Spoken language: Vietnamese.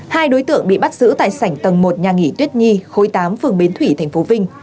hai đối tượng bị bắt giữ tại sảnh tầng một nhà nghỉ tuyết nhi khối tám phường bến thủy tp vinh